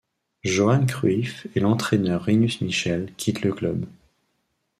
Johan Cruyff et l'entraîneur Rinus Michels quittent le club.